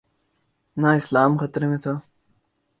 نہ اسلام خطرے میں تھا۔